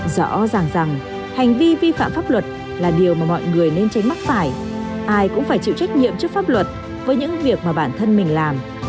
rõ ràng rằng hành vi vi phạm pháp luật là điều mà mọi người nên tránh mắc phải ai cũng phải chịu trách nhiệm trước pháp luật với những việc mà bản thân mình làm